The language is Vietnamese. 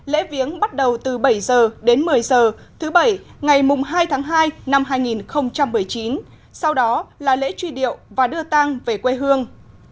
lễ viếng bắt đầu từ bảy h đến một mươi h thứ bảy ngày hai tháng hai năm hai nghìn một mươi chín sau đó là lễ truy điệu và đưa tăng về quê hương